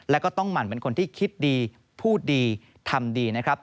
แล้วก็ต้องหมั่นเป็นคนที่คิดดีพูดดีทำดีนะครับ